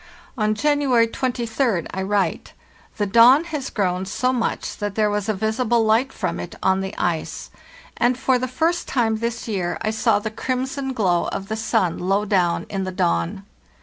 " On January 23d I write: * The dawn has grown so much that there was a visible light from it on the ice, and for the first time this year I saw the crimson glow of the sun low down in the dawn."